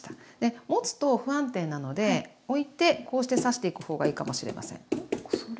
持つと不安定なのでおいてこうして刺していくほうがいいかもしれません。